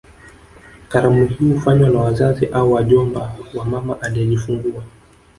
Karamu hii hufanywa na wazazi au wajomba wa mama aliyejifungua